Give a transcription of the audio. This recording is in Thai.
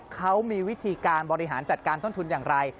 เขามีวิธีการบริหารจัดการต้นทุนอย่างไร